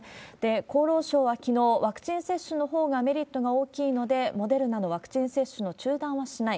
厚労省はきのう、ワクチン接種のほうがメリットが大きいので、モデルナのワクチン接種の中断はしない。